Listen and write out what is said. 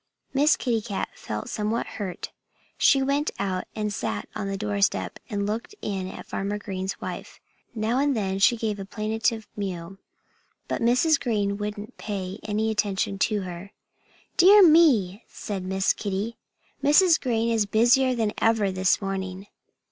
Miss Kitty Cat felt somewhat hurt. She went out and sat on the doorstep and looked in at Farmer Green's wife. Now and then she gave a plaintive mew. But Mrs. Green wouldn't pay any attention to her. "Dear me!" said Miss Kitty. "Mrs. Green is busier than ever this morning."